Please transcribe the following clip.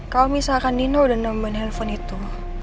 kalau misalkan dino udah nambahin handphone itu